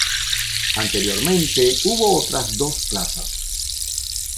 Anteriormente hubo otras dos plazas.